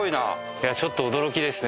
いやちょっと驚きですね。